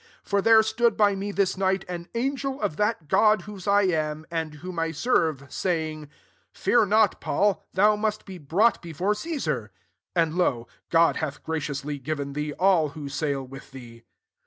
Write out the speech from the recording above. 23 For there stood by me this night an angel of that God, whose I am, and whom I serve, saying, 24 *Fear not, Paul; thou must be brought before Caesar : and, lo, God hath gra ciously given thee all who sail with thee.'